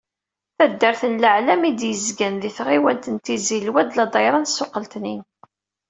Taddart n Laɛlam, i d-yezgan di tɣiwant n Tizi Lwad, ladayṛa n Ssuq Letnin.